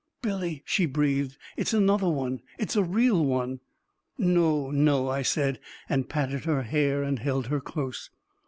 44 Billy !" she breathed. 44 It's another one — it's a real one ..•" 44 No, no I " I said, and patted her hair and held her close.